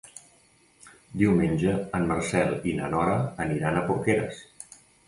Diumenge en Marcel i na Nora aniran a Porqueres.